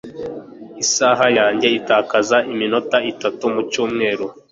Isaha yanjye itakaza iminota itatu mu cyumweru.